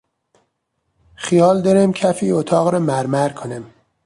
خیال داریم کف این اتاق را مرمر کنیم.